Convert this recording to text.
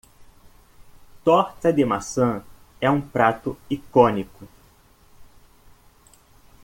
Torta de maçã é um prato icônico.